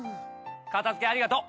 片付けありがとう！